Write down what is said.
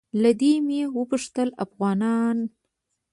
له ده مې وپوښتل افغانان.